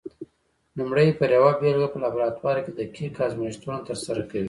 لومړی پر یوه بېلګه په لابراتوار کې دقیق ازمېښتونه ترسره کوي؟